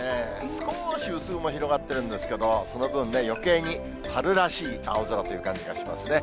少し薄雲広がっているんですけど、その分ね、よけいに春らしい青空という感じがしますね。